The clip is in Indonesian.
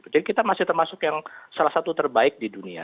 jadi kita masih termasuk yang salah satu terbaik di dunia